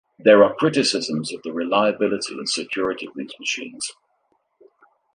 There are criticisms of the reliability and security of these machines.